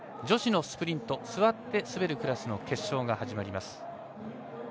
女子のスプリント座って滑るクラスの決勝が始まります。